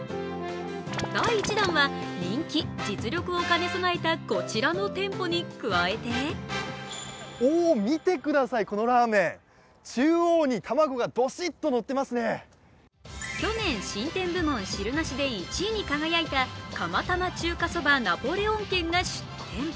第１弾は人気、実力を兼ね備えたこちらの店舗に加えて去年、新店部門汁なしで１位に輝いた釜玉中華そばナポレオン軒が出店。